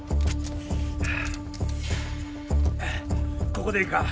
ここでいいか？